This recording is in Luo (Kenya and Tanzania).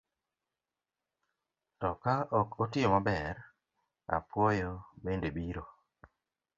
To ka ok otiyo maber, apuoyo bende biro.